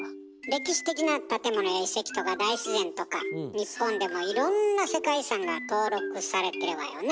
歴史的な建物や遺跡とか大自然とか日本でもいろんな世界遺産が登録されてるわよね。